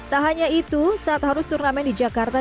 tak hanya itu saat harus turnamen di jakarta